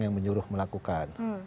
yang menyuruh melakukan